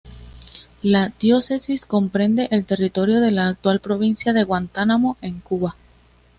La diócesis comprende el territorio de la actual provincia de Guantánamo, en Cuba.